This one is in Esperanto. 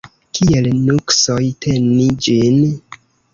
Kiel nuksoj teni ĝin?